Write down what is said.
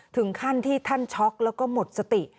ถึงขั้นที่ท่านช็อกแล้วก็หมดสติ